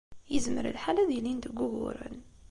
Yezmer lḥal ad ilint deg wuguren.